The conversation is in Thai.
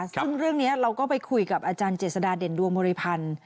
ซึ่งเรื่องนี้เราก็ไปคุยกับอาจารย์เจษฎาเด่นดวงบริพันธ์